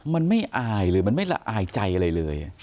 มันไม่อายหรือมันไม่ละอายใจอะไรเลย